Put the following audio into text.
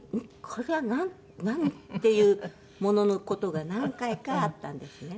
これは何？っていうものの事が何回かあったんですね。